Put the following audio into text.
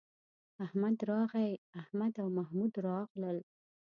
احمد راغی، احمد او محمود راغلل